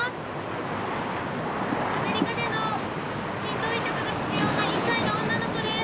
アメリカでの心臓移植が必要な１歳の女の子です。